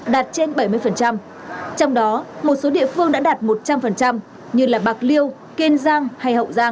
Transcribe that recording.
đạt trên bảy mươi trong đó một số địa phương đã đạt một trăm linh như bạc liêu kiên giang hay hậu giang